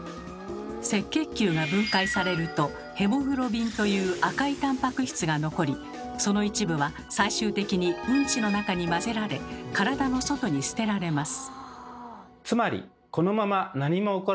赤血球が分解されるとヘモグロビンという赤いタンパク質が残りその一部は最終的にうんちの中に混ぜられ体の外に捨てられます。